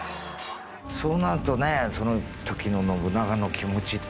そうなるとねその時の信長の気持ちっていう。